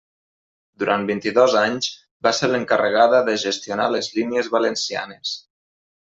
Durant vint-i-dos anys va ser l'encarregada de gestionar les línies valencianes.